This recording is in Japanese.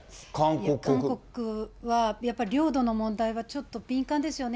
韓国はやっぱり領土の問題はちょっと敏感ですよね。